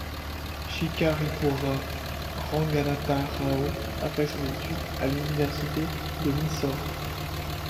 Shikaripura Ranganatha Rao a fait ses études à l'Université de Mysore.